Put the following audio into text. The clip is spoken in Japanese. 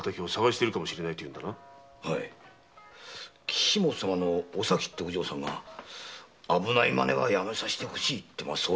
岸本様のお咲ってお嬢さんが危ないまねは止めさせてほしいと相談に来られましてね。